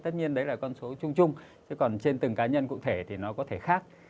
tất nhiên đấy là con số chung chung còn trên từng cá nhân cụ thể thì nó có thể khác